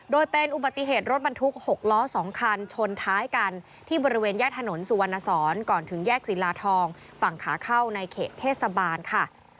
โดยเป็นอุบัติเหตุรถบรรทุก๖ล้อ๒คันชนท้ายกันที่บริเวณแยกถนนสุวรรณสอนก่อนถึงแยกศิลาทองฝั่งขาเข้าในเขตเทศบาลค่ะ